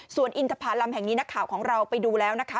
ส่วนอินทภารำแห่งนี้นักข่าวของเราไปดูแล้วนะคะ